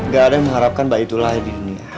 gak ada yang mengharapkan bayi itu lahir di dunia